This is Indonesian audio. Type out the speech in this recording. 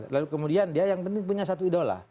lalu kemudian dia yang penting punya satu idola